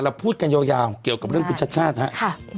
พูดกันยาวเกี่ยวกับเรื่องคุณชาติชาติครับ